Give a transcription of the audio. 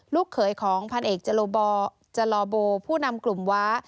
ลูกเขยของพันเอกจรบผู้นำกลุ่มว้า